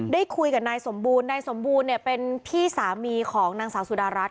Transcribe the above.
ได้คุยกับนายสมบูรณ์นายสมบูรณ์เนี่ยเป็นพี่สามีของนางสาวสุดารัฐ